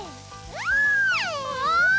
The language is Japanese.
うわ！